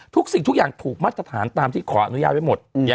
สิ่งทุกอย่างถูกมาตรฐานตามที่ขออนุญาตไว้หมด